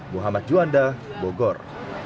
muhammad juanda bogor